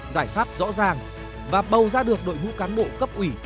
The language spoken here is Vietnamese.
giải pháp rõ ràng và bầu ra được đội ngũ cán bộ cấp ủy